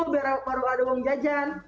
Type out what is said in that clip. baru ada uang jajan